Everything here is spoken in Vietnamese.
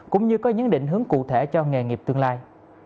cũng như có những định hướng cụ thể cho nghề nghiệp tương lai